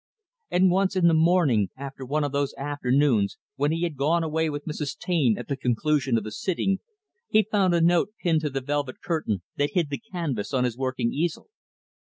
And once, in the morning, after one of those afternoons when he had gone away with Mrs. Taine at the conclusion of the sitting, he found a note pinned to the velvet curtain that hid the canvas on his working easel.